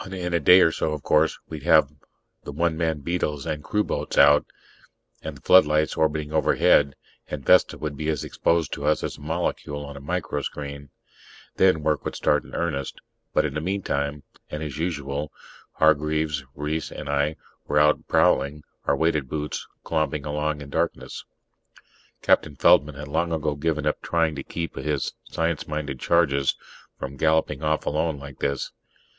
In a day or so, of course, we'd have the one man beetles and crewboats out, and the floodlights orbiting overhead, and Vesta would be as exposed to us as a molecule on a microscreen. Then work would start in earnest. But in the meantime and as usual Hargraves, Reiss and I were out prowling, our weighted boots clomping along in darkness. Captain Feldman had long ago given up trying to keep his science minded charges from galloping off alone like this.